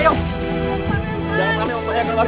jangan sampai membayangkan keluarga